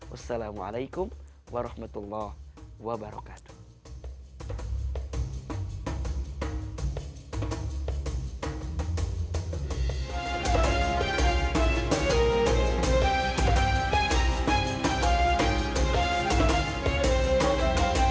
wassalamualaikum warahmatullahi wabarakatuh